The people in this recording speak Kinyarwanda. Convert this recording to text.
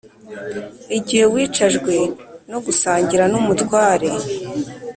Igihe wicajwe no gusangira n’umutware